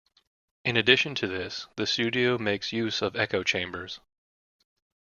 In addition to this, the studio makes use of echo chambers.